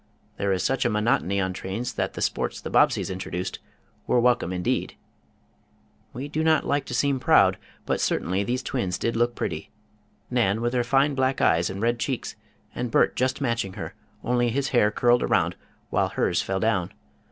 There is such a monotony on trains that the sports the Bobbseys introduced were welcome indeed. We do not like to seem proud, but certainly these twins did look pretty. Nan with her fine back eyes and red cheeks, and Bert just matching her; only his hair curled around, while hers fell down.